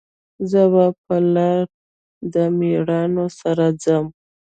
زه به په لار د میړانو سره ځم